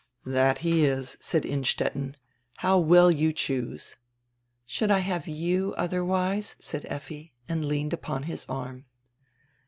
"That he is," said Innstetten. "How well you choose!" "Should I have you otherwise?" said Effi and leaned upon his arm.